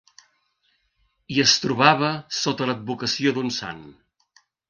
I es trobava sota l'advocació d'un sant.